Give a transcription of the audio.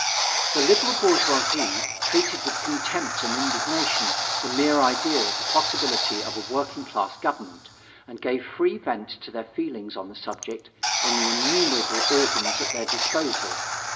The liberal bourgeoisie treated with contempt and indignation the mere idea of the possibility of a working class government and gave free vent to their feelings on the subject, in the innumerable organs at their disposal.